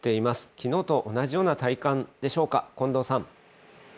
きのうと同じような体感でしょうか、近藤さん。